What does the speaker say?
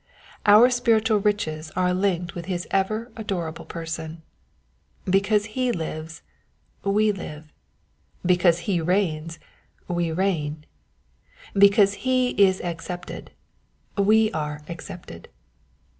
Our spiritual riches are linked with his ever adorable person. Because he lives, we live ; because he reigns, we reign ; because he is accepted, we are 130 According to the Promise, accepted.